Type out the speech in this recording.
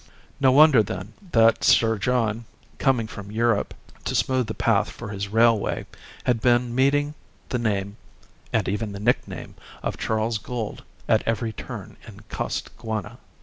No wonder, then, that Sir John, coming from Europe to smooth the path for his railway, had been meeting the name (and even the nickname) of Charles Gould at every turn in Costaguana.